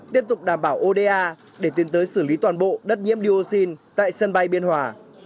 tiếp tục đảm bảo oda để tiến tới xử lý toàn bộ đất nhiễm dioxin tại sân bay biên hòa